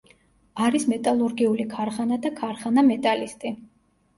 არის მეტალურგიული ქარხანა და ქარხანა „მეტალისტი“.